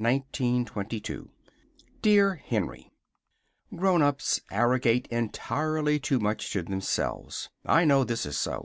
1922 DEAR HENRY: "Grown ups" arrogate entirely too much to themselves. I know this is so.